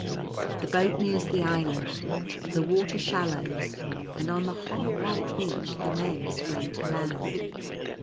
The boat nears the island ; the water shallows, and on the hot white beach the men spring to land.